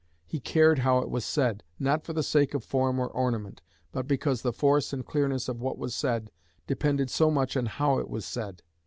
He cared how it was said, not for the sake of form or ornament, but because the force and clearness of what was said depended so much on how it was said.